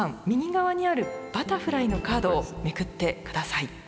右側にあるバタフライのカードをめくって下さい。